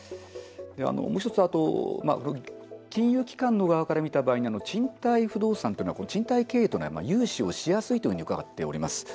もう１つ金融機関の側から見た場合に賃貸不動産というのは賃貸経営には融資をしやすいというふうに伺っております。